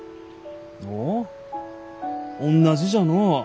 おおおんなじじゃのう。